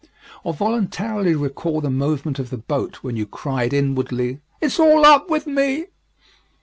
Or voluntarily recall the movement of the boat when you cried inwardly, "It's all up with me!"